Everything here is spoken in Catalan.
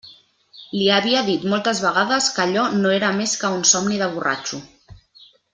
Li havia dit moltes vegades que allò no era més que un somni de borratxo.